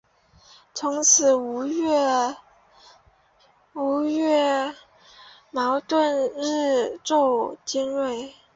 从此吴越矛盾日趋尖锐。